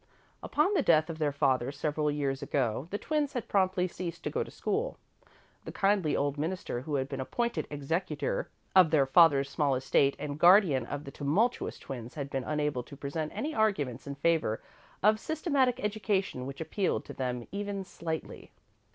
Upon the death of their father, several years ago, the twins had promptly ceased to go to school. The kindly old minister who had been appointed executor of their father's small estate and guardian of the tumultuous twins had been unable to present any arguments in favour of systematic education which appealed to them even slightly.